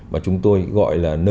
mà chúng tôi gọi là nền tảng số